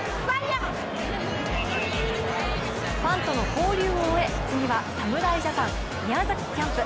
ファンとの交流を終え、次は侍ジャパン、宮崎キャンプ。